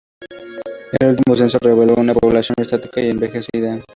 El último censo reveló una población estática y envejecida.